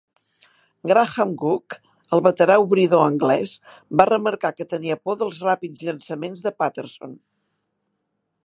Graham Gooch, el veterà obridor anglès, va remarcar que tenia por dels ràpids llançaments de Patterson.